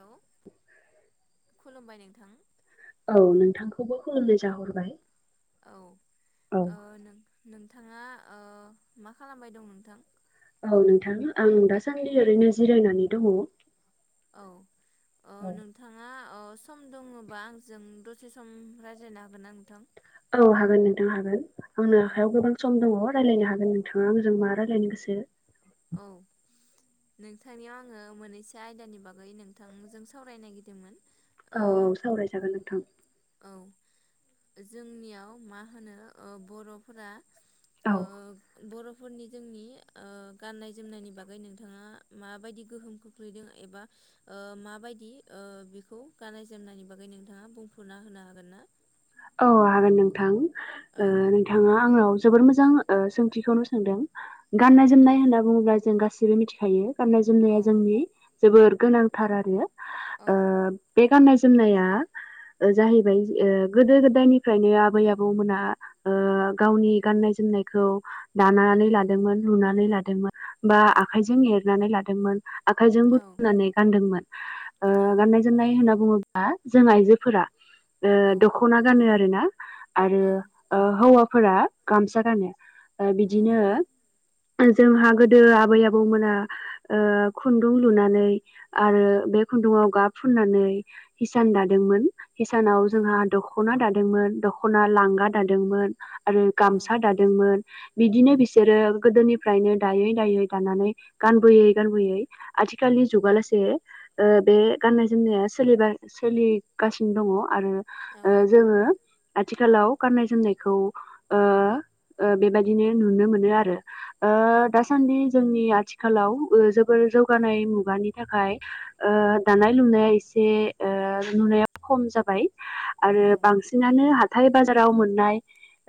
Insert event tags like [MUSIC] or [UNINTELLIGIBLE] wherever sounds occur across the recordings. हेल' खुलुमबाय नोंथां। खौबो [UNINTELLIGIBLE] खुलुमनाय जाहरबाय। औ औ ओ नोंथाङा ओ मा खालामबाय दं नोंथां? औ नोंथां आं दासान्दि ओरैनो जिरायनानै दङ। औ औ नोंथाङा अह सम दङबा आंजों दसे सम रायज्लायनो हागोन ना नोंथां? औ हागोन नोंथां हागोन आंनो औ आखायाव गोबां सम दङ'। रायलायनो हागोन नोंथाङा आजों मा रायलायनो गोसो। औ। नोंथांनियाव आङो मोननैसो आयदानि बागै नोंथांजों सावरायनो नागिरदोंमोन। ओ औ औ सावरायजागोन नोंथां। औ जोंनियाव मा होनो ओ बर'फोरा औ ओ बर' फोरनि जोंनि ओ गाननाय जोमनायनि बागै नोंथाङा माबायदि गोहोम खोख्लैदों एबा ओ माबायदि ओ बेखौ गाननाय जोमनायनि बागै नोंथाङा बुं फुना [UNINTELLIGIBLE] होनो हागोन ना? औ हागोन नोंथां औ ओ नोंथाङा आंनाव जोबोर मोजां ओ सोंथिखौनो सोंदों औ गाननाय जोमनाय होनना बुङोब्ला जों गासिबो मिथिखायो। गाननाय औ जोमनाया जोंनि जोबोर गोनांथार आरो औ ओ गाननाय जोमनाया ओ जाहैबाय गोदो गोदायनिफ्रायनो आबै आबौमोना ओ गावनि गाननाय जोमनायखौ दाना नै लादोंमोन लुनानै लादोंमोन बा आखाइजों एरनानै लादोंमोन। आखाइजों औ बुथुमनानै गान्दोंमोन ओ गाननाय जोमनाय होनो बुङोबा जों आइजोफोरा ओ औ दख'ना गानो आरो। आरोना आरो औ ओ हौवाफोरा गामसा गानो। ओ बिदिनो जोंहा गोदो आबै आबौमोना ओ खुन्दुं लुनानै आरो बे खुन्दुङाव गाब फुननानै हिसान दादोंमोन हिसानाव औ जोंहा दख'ना दादोंमोन दख'ना लांगा दादोंमोन आरो औ गामसा दादोंमोन बिदिनो बिसोरो गोदोनिफ्रायनो दायै दायै दानानै गानबोयै गानबोयै आथिखालनि जुगाव लासे ओ बे गाननाय जोमनाया सोलिबाय सोलिगासिनो दङ' आरो ओ जोङो आथिखालाव गाननाय जोमनायखौ ओ ओ बेबायदिनो नुनो मोनो आरो ओ औ दासान्दि जोंनि आथिखालाव ओ जोबोर जौगानाय मुगानि थाखाय ओ दानाय लुनाया एसे ओ नुनायाव खम जाबाय हाथाइ बाजाराव मोननाय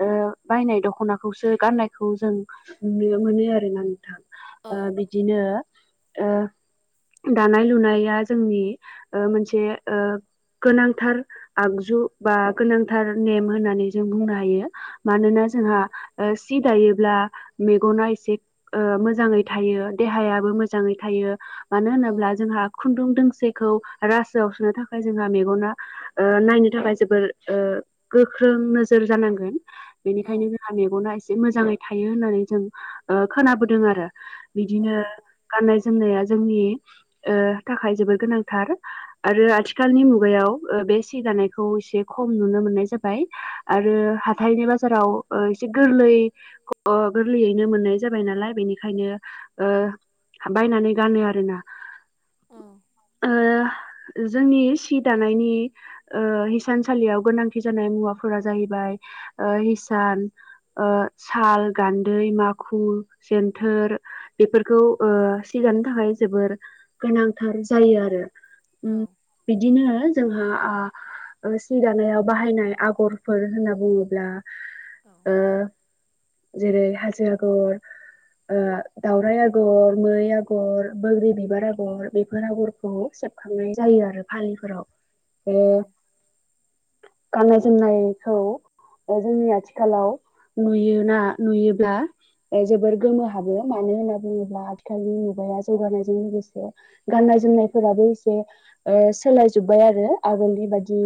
ओ बायनाय दख'नाखौसो गाननायखौ जों नुनो मोनो मोनो आरोना नोंथां ओ बिदिनो ओ दानाय लुनाया जोंनि ओ मोनसे ओ गोनांथार आगजु जु बा गोनांथार नेम होननानै जों बुंनो हायो। मानोना औ जोंहा ओ सि दायो ब्ला मेगना एसे ओ मोजाङै थायो देहायाबो मोजाङै थायो मानो औ होनोब्ला जोंहा खुन्दुं दों सेखौ रासोआव सोनो थाखाय जोंहा मेगना ओ नायनो थाखाय जोबोर ओ गो ख्रों नोजोर जानांगोन औ बेनिखायनो जोंहा मेगना एसे से मोजाङै थायो होननानै जों ओ खोनाबोदों आरो बिदिनो गाननाय जोमनाया जोंनि ओ थाखाय जोबोद गोनांथार आरो आथिखालनि मुगायाव ओ बे सि दानाय खौ एसे खम नुनो मोननाय जाबाय आरो हाथाइनि बाजाराव एसे गोरलै ओ गोरलैयैनो मोननाय जाबाय नालाय बेनिखायनो ओ बायनानै गानो आरोना औ औ ओ जोंनि सि दानायनि ओ हिसानसालियाव गोनांथि जानाय मुवाफोरा जाहैबाय ओ हिसान ओ साल गान्द्रि माखु जेनथोर बेफोरखौ ओ सि दानो थाखाय जोबोर गोनांथार जायो आरो औ उम बिदिनो जोंहा ओ ओ सि दानायाव बाहायनाय आगरफोर होनना बुङोब्ला ओ जेरै हाजो आगर ओ दाउराइ आगर मै आगर बोग्रि बिबार आगर बेफोर आगरखौ सेबखांनाय जायो आरो फालिफोराव बे गाननाय जोमनायखौ ओ जोंनि आथिखालाव नुयोना नुयोब्ला ओ जोबोर गोमोहाबो मानो होनना बुङोब्ला आथिखालनि मुगाया जौगानायजों लोगोसे गाननाय जोमनाय फोराबो एसे ओ सोलाय जोबबाय आरो आगोलनि बादि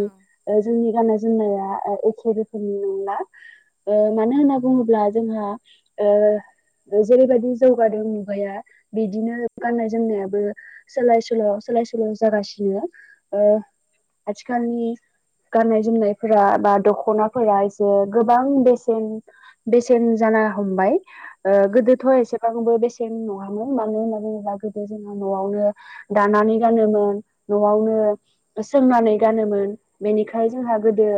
ओ जोंनि गाननाय जोमनाया एखे रोखोमनि नंला ओ मानो होनना बुङोब्ला जोंहा ओ जेरैबायदि जौगादों मुगाया बिदिनो गाननाय जोमनायाबो सोलाय सोल' सोलाय सोल' जागासिनो ओ आथिखालनि गाननाय जोमनायफोरा बा दख'नाफोरा एसे गोबां बेसेन बेसेन जानाय ना हमबाय ओ गोदोथ' एसेबांबो बेसे सेन नङामोन मानो होनना बुङोब्ला गोदो जोंहा न'आवनो दानानै गानोमोन न'आवनो [INAUDIBLE] सोंनानानै गानोमोन बेनिखाय जोंहा गोदो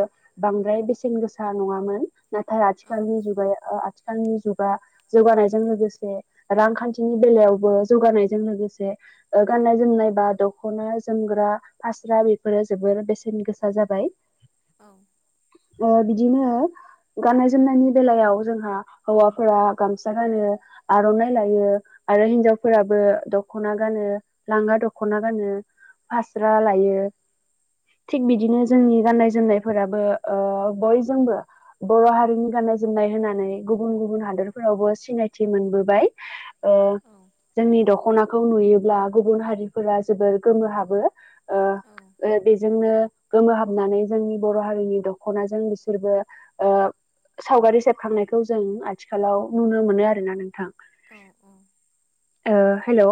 बांद्राय बेसेन गोसा नङामोन नाथाय आथिखालनि जुगाया ओ आ थिखालनि जुगा जौगानायजों लोगोसे रांखान्थिनि बेलायावबो जौगानायजों लोगोसे ओ गाननाय जोमनाय बा दख'ना जोमग्रा फास्रा बेफोरो जोबोर बेसेन गोसा जाबाय। औ अ बिदिनो गाननाय जोमनायनि बेलायाव जोंहा हौवाफोरा गामसा गानो आर'नाइ लायो आरो हिनजावफोराबो दख'ना गानो लाङा दख'ना गानो फास्रा लायो [INAUDIBLE] थिग बिदिनो जोंनि गाननाय जोमनायफोराबो ओ बयजोंबो बर' हारिनि गाननाय जोम नाय होननानै गुबुन गुबुन हादरफोरावबो सिनायथि मोनबोबाय ओ जोंनि दख'नाखौ नुयोब्ला गुबुन हारिफोरा जोबोर गोमोहाबो ओ औ ओ बेजोंनो गोमोहाबनानै जोंनि बर' हारिनि दख'नाजों बिसोरबो ओ सावगारि सेबखांनायखौ जों आथिखालाव नुनो मोनो आरोना नोंथां। औ औ ओ हेल'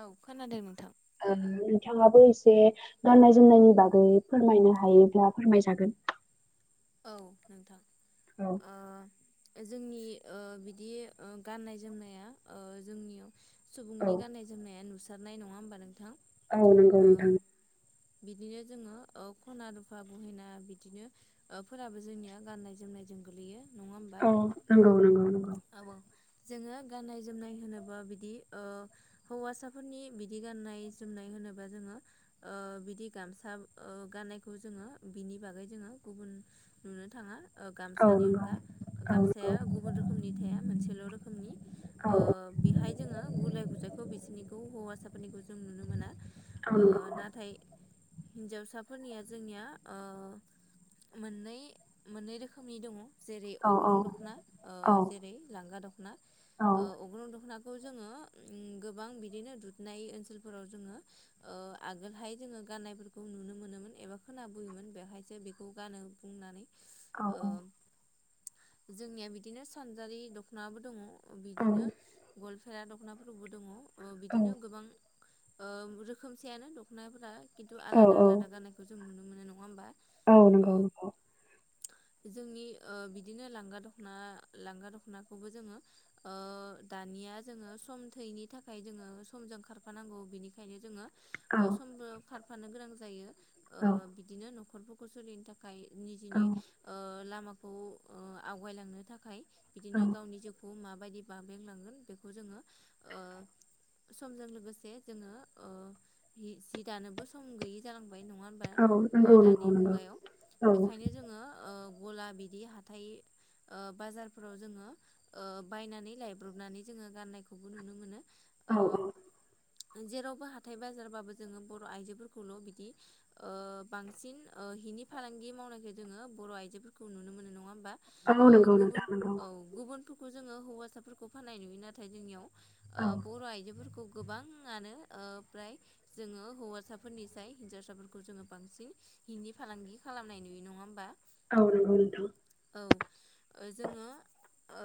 औ खोनादों नोंथां। बो एसे गाननाय जोमनायनि बागै फोरमायनो हायोब्ला फोरमायजागोन औ नोंथां औ ओ। जोंनि ओ बिदि गाननाय-जोमनाया जोंनियाव औ सुबुंनि गान्नाय जोमनाया नुसारनाय नङा होमबा नोंथां। औ नंगौ नोंथां। ओ बिदिनो जोङो खना रुफा बहिना बिदिनो फोराबो जोंनिया गाननाय जोमनायजों गोलैयो। नङा होमबा औ नंगौ नंगौ-नंगौ। औ जोङो गाननाय जोमनाय होनोबा बिदि हौवासाफोरनि बिदि गान गाननाय जोमनाय होनोबा जोङो ओ बिदि गामसा गानायखौ जोङो बिनि ब जोङो गुबुन नुनो थाङा औ गामसानि नंगौ अनगा औ नंगौ गामसाया गुबुन रो बिथांया मोनसेल रोखोमनि औ ओ औ बिहाइ जोंङो गुलाय गुजायखौ बिसिनिखौ सानिखौ जों नुनो मोना नंगौ नाथाय हिन्जावसाफोरनिया जोंनिया ओ मोननै-मोननै रोखोमनि दङ। जेरै औ औ अग्रुं दख'ना औ जेरै लांगा दख'ना अग्रं दख'ना खौ जोङो गोबां बिदिनो दुथनाय ओनसोलफोराव जोङो आगोलहाय जोङो। गाननायफोरखौ नुनो मोनोमोन एबा खोनाबोयोमोन बेहायसो बेखौ गानो बुंनानै। ओ औ-औ जोंनिया बिदिनो सानजारि दख'नाबो दङ औ बिदिनो गल्फ फखा दख'नाफोरबो दङ। औ बिदिनो गोबां रोखोमसेयानो दख'नाफोरा खिन्थु औ आलादा-आलादा गानायखौ जों नुनो मोनाय नङा होमबा। औ नंगौ-नंगौ। जोंनि बिदिनो लांगा दख'ना लांगा दख'नाखौबो जोङो दानिया जोङो सम थैनि थाखाय जोङो सम मोजां खारफानांगौ बिनिखायनो जोङो औ समबो खारफानो गोनां जायो। औ बिदिनो न'खरफोरखौ सोलिनो थाखाय। थाखाय औ निजेनि लामाखौ आवगायलांनो थाखाय बिदिनो गावनि जिउखौ माबायदि बाबेंलांगोन बेखौ जोङो ओ समजों लोगोसे जोङो जि दानोबो सम गैयि जालां नङा होनबा औ नंगौ दानि नंगौ नंगौ मुगायाव औ बेखायनो जोङो गला बिदि हाथाइ ओ बाजारफोराव जोङो बायनानै लायब्रबनानै जोङो गाननायखौबो नुनो मोनो। औ ओ जेरावबो हाथाय बाजारबाबो जोङो बर' आइजोफोरखौल' बिदि ओ बांसिन ओ हिनि फालांगि मावनायखौ जोङो बर' आयजोफोरखौ नुनो मोन नङा औ नंगौ गुबुन नोंथां नंगौ औ गुबुनफोरखौ जोङो हौवासाफोरखौ फाननाय नुयो नाथाय जोंनियाव ओ औ बर आइजोबो खौ गोबाङानो फ्राय जोङो हौवासाफोरनिसाय हिनजावसाफोरखौ जोङो बांसिन हिनि फालांगि खालामनाय नुयो नङा होमबा। औ नंगौ नोंथां। औ जोङो ओ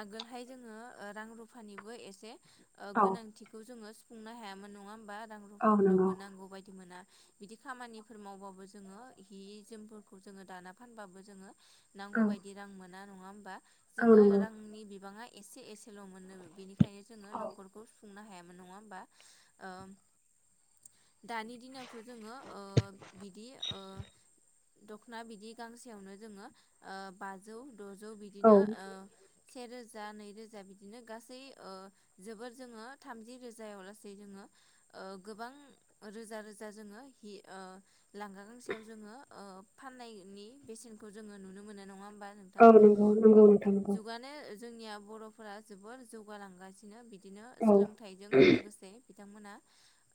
आगोलहाय जोङो रां रुफानिबो एसे औ गोनांथिखौ जोङो सुफुंनो हायामोन नङा होमबा रां औ नंगौ रुफाफोरावबो नांगौ बायदि मोना बिदि खामानिफोर मावबाबो जोङो हि जोमफोरखौ जोङो दाना फानबाबो जोङो नांगौ औ बायदि रां मोना नङा होमबा औ जोङो नंगौ रांनि बिबाङा एसे एसेल' मोनोबो बेनिखायनो जोङो औ नखरखौ सुफुंनो हाया। नङा होमबा? दानि दिनावथ' जोङो ओ बिदि ओ दख'ना बिदि गांसेयावनो जोङो बाजौ द'जौ औ बिदिनो। सेेरोजा नै रोजा बिदिनो गासै जोबोर जोङो थामजि रोजायाव लासै जोङो। ओ गोबां रोजा रोजा जोङो हि ओ लांगा गांसेयाव जोङो ओ फाननायनि बेसेनखौ जोङो नुनो मोनो नङा होमबा औ नोंथां। नंगौ नंगौ नोंथां नंगौ। जुगानो जोंनिया बर'फोरा जोबोर जौगालांगासिनो बिदिनो औ सोलोंथाइजों लोगोसे। बिथांमोना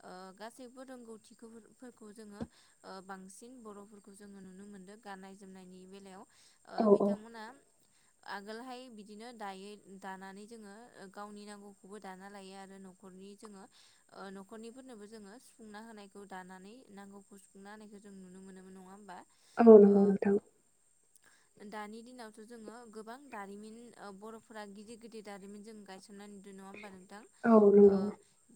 ओ गासैबो रोंगौथिफोरखौ जोङो ओ बांसिन बर' जोङो नुनो मोनदों गाननाय जोमनायनि बेलायाव ओ औ औ बिथांमोना आगोलहाय बिदिनो दायो दानानै जोङो गावनि नांगौखौबो दाना लायो आरो न'खरनि जोङो ओ न'खरनिफोरनोबो जोङो सुफुंना होनायखौ दानानै नांगौखौ सुफुंना होनायखौ जों नुनो मोनोम नङा होमबा। औ ओ नंगौ नोंथां। दानि दिनावथ' जोङो गोबां दारिमिन ओ बर'फोरा गिदिर गिदिर दारिमिन जों गायसन नुदों नङा होमबा नोंथां औ ओ नंगौ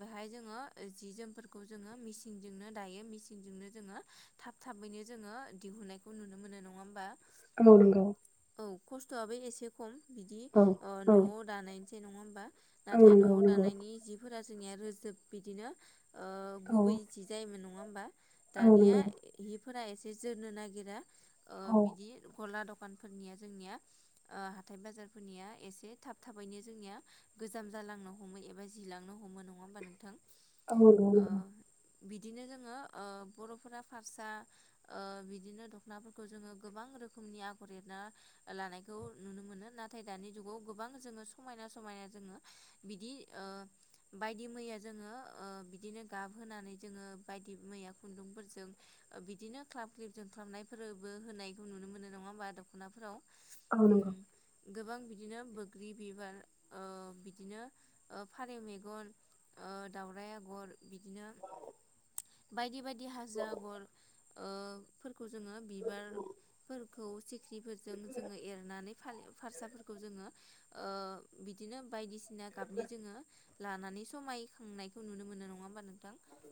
बेहाय। जोंङो जि जोमफोरखौ जोङो मेसिनजोंनो दायो मेसिनजोंनो जोङो थाब थाबैनो जोङो दिहुननायखौ नुनो मोनो नङा होमबा? औ नंगौ। औ खस्थ'आबो एसे खम बिदि औ ओ औ न'आव दानायसै नङा होमबा? औ नाथाय नंगौ नआव' नंगौ दानायनि जिफोरा जोंनिया रोजोब बिदिनो ओ औ गुबै जि जायोमोन नङा होमबा औ दानिया नंगौ हिफोरा एसे जोरनो नागिरा। ओ औ बिदि गला दखानफोरनिया। जोंनिया ओ हाथाय बाजारफोरनिया एसे थाब थाबैनो जोंनिया गोजाम जालांनो हमै। एबा जि लांनो हमो नङा होमबा नोंथां? औ नंगौ। ओ बिदिनो जोङो ओ बर'फोरा फारसा ओ बिदिनो दख'नाफोरखौ जोङो गोबां गुबुन रोखोमनि आगर एरना लानायखौ नुनो मोनो। नाथाय दानि जुगाव गोबां जोङो समायना समायना जोङो बिदि ओ बायदि मैया जोङो ओ बिदिनो गाबहोनानै जोङो बायदि मैया खुन्दुं फोरजों बिदिनो क्लाब क्लिब जोंख्लाबनायफोरबो होनायखौ नुनो मोनो नङा होमबा दख'नाफोराव? औ उम नंगौ। गोबां बिदिनो बोग्रि बिबार ओ बिदिनो फारौ मेगन ओ दाउराय आगर बिदिनो बायदि बायदि हाजो आगर ओफोरखौ जोङो बिबार फोरखौ सिखिरिफोर जों जोङो एरनानै फालि फारसाफोरखौ जोङो ओ बिदिनो बायदिसिना गाबनि जोंङो लानानै समायखांनायखौ नुनो मोनो नङा होनबा नों।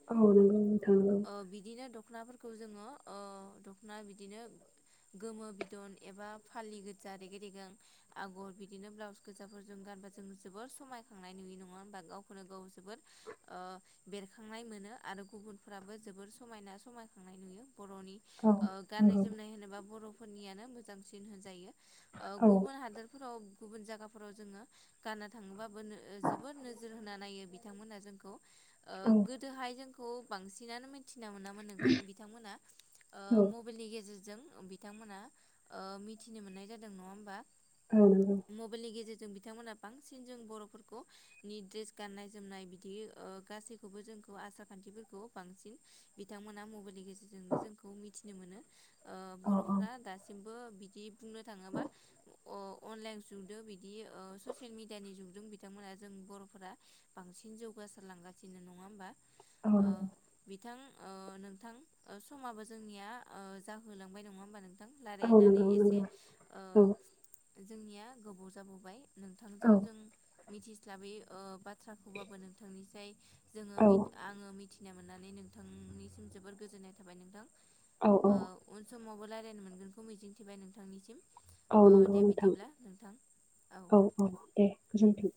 औ नांगौ नोंथां औ। बिदिनो दख'नाफोरखौ जोङो ओ दख'ना बिदिनो गोमो बिदन एबा फालि गोजा रेगे- रेगां आगर बिदिनो ब्लाउस गोजाफोरजों गानबा जों जोबोर समाय नाय नुयो नङा होनबा गावखौनो गाव जोबोद बेरखांनाय मोनो आरो गुबुनफ्राबो जोबोर समायना समायखांनाय नुयो। बर'नि नंगौ ओ गाननाय जोमनाय होनोबा बर'फोरनियानो मोजांसिन होनजायो। ओ औ गुबुन हादोरफोराव गुबुन जायगाफोराव जोङो गानना थाङोबा जोबोर नोजोर होनानै नायो बिथांमोनहा जोंखौ ओ गोदोहाय जों खौ बांसिनानो मिथिना मोनामोन नोंथां बिथांमोना ओ औ मबाइलनि गेजेर जों बिथांमोना ओ मिथिनो मोननाय जादों नङा होमबा औ नंगौ मबाइलनि गेजेरजों। जों बिथांमोनहा बांसिन जों बर'फोरखौ नि द्रेस गान्नाय जोमनाय बिदि गासैखौबो जों ज आसार खान्थिफोरखौ बांसिन बिथांमोना मबाइलनि गेजेरजोंनो जोंखौ मिथिनो मोनो। ओ औ औ बर'फोरा दासिमबो बिदि बुंनो थाङोबा अ अनलाइन जुगजोंं बिदि ओ ससियेल मिडियानि जुगजों बिथांमोना जों बर'फोरा बांसिन जौगानाय। [UNINTELLIGIBLE] नङा होमबा? औ। नोंथां ओ नोंथां ओ समाबो जोंनिया ओ जाहोलांबाय नङा होमबा नोंथां औ रायलायनानै नंगौ एसे नंगौ औ ओ जोंनिया गोबाव जाबोबाय नोंथांजों जों मिथिस्लाबै ओ बाथ्राखौबाबो नोंथांनिसाय जोंङो औ आङो मिथिनाय मोननानै नोंथांनिसिम जोबोर गोजोननाय थाबाय नोंथां औ औ ओ उन समावबो रायज्लायनो मोनगोनखौ मिजिंथिबाय नोंथांनिसिम औ ओ नंगौ दे नोंथां बिदिब्ला नोंथां औ - औ दे गोजोनथों